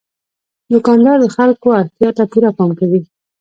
دوکاندار د خلکو اړتیا ته پوره پام کوي.